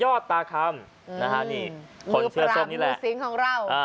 ยอดตาคำนะฮะนี่คนเชื้อส้มนี่แหละมือปรามมือสิงค์ของเราอ่า